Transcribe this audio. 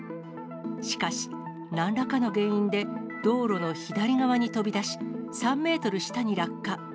しかし、なんらかの原因で道路の左側に飛び出し、３メートル下に落下。